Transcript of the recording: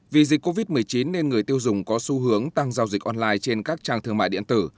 vì dịch covid một mươi chín nên người tiêu dùng có xu hướng tăng giao dịch online trên các trang thương mại điện tử